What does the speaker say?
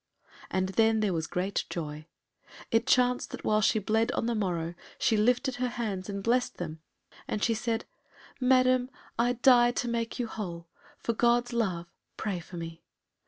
And then there was great joy. It chanced that while she bled on the morrow, she lifted her hands and blessed them, and she said, "Madam, I die to make you whole, for God's love pray for me."